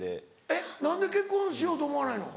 えっ何で結婚しようと思わないの？